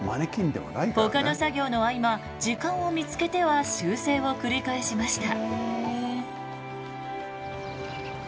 ほかの作業の合間時間を見つけては修正を繰り返しました。